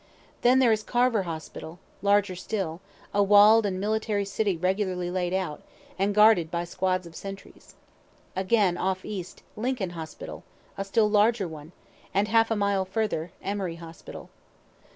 Then there is Carver hospital, larger still, a wall'd and military city regularly laid out, and guarded by squads of sentries. Again, off east, Lincoln hospital, a still larger one; and half a mile further Emory hospital.